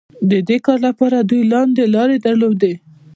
د دې کار لپاره دوی لاندې لارې درلودې.